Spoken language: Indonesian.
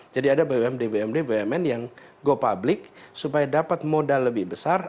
jadi ada bumd bumd bumn yang go public supaya dapat modal lebih besar